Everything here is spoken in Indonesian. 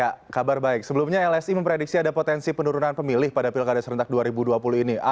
ya kabar baik sebelumnya lsi memprediksi ada potensi penurunan pemilih pada pilkada serentak dua ribu dua puluh ini